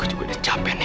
aku juga udah capek nek